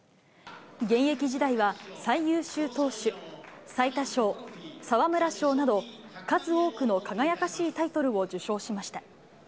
現役時代は最優秀投手、最多勝、沢村賞など、数多くの輝かしいタイトルを受賞しました。